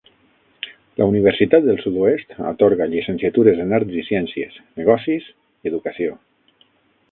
La Universitat del Sud-oest atorga llicenciatures en arts i ciències, negocis i educació